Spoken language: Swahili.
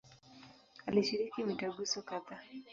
Alishiriki mitaguso kadhaa.